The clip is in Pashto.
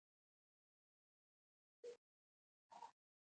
پایې کلکې دي کوټې تکیه کوي.